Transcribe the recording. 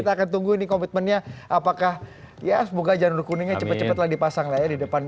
kita akan tunggu ini komitmennya apakah ya semoga janur kuningnya cepat cepatlah dipasang lah ya di depan